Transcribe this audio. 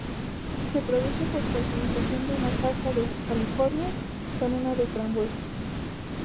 Se produce por polinización de una zarza de California con una de frambuesa.